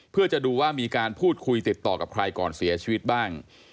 เพื่อจะดูว่ามีการพูดคุยติดต่อกับใครก่อนเสียชีวิตบ้าง